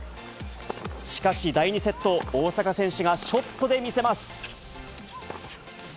しかし第２セット、大坂選手がショットで見せます。